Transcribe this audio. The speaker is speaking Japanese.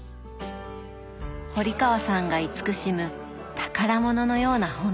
堀川さんが慈しむ宝物のような本たち。